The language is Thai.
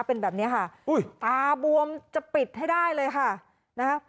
เป็นแบบนี้ค่ะอุ้ยตาบวมจะปิดให้ได้เลยค่ะนะฮะ